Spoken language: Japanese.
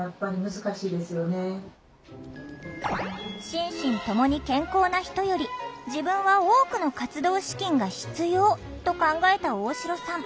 「心身ともに健康な人より自分は多くの活動資金が必要」と考えた大城さん。